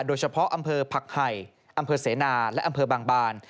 โดยเฉพาะอำเภอผักไห่อำเภอเสนาและอำเภอบางบาน